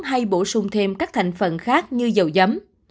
hay bổ sung thêm các thành phần khác như dầu giấm